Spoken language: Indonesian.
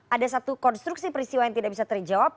ada satu konstruksi peristiwa yang tidak bisa terjawab